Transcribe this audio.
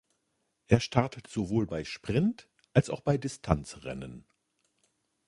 Er startet sowohl bei Sprint- als auch bei Distanzrennen.